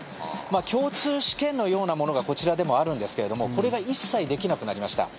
共通試験のようなものがこちらでもあるんですけれどもこれが一切できなくなりました。